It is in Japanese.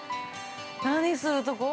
何するとこ？